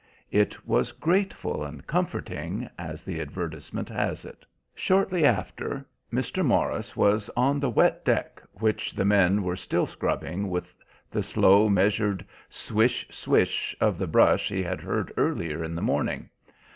It was grateful and comforting, as the advertisement has it. Shortly after, Mr. Morris was on the wet deck, which the men were still scrubbing with the slow, measured swish, swish of the brush he had heard earlier in the morning.